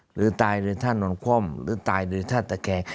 หรือตายโดยท่านนอนคว่ำหรือตายโดยท่าตะแคง